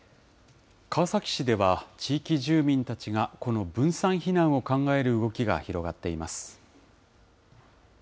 川崎市では、地域住民たちがこの分散避難を考える動きが広がっています。